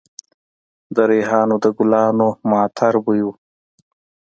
د ریحانو د ګلانو معطر بوی و